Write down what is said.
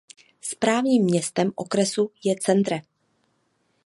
Správním městem okresu je Centre.